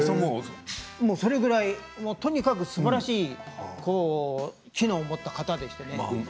それぐらい、とにかくすばらしい機能を持った方です。